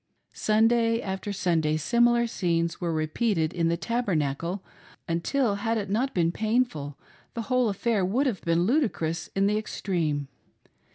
Sunday after Sunday similar scenes were repeated in the Tabernacle, until, had it not been painful, the whole affair would have been ludicrous in the extreme.